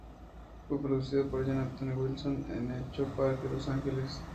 Fue producido por Jonathan Wilson en Echo Park, Los Ángeles.